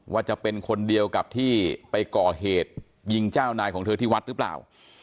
ว่าจะเป็นคนเดียวกับที่ไปก่อเหตุยิงเจ้านายของเธอที่วัดหรือเปล่า